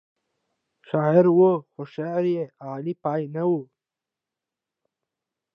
شاعر و خو شعر یې اعلی پای نه و.